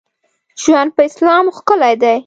ژوند په اسلام ښکلی دی.